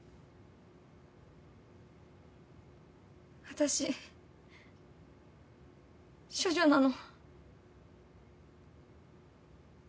私処女なの。